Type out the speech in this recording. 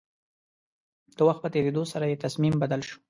د وخت په تېرېدو سره يې تصميم بدل شو.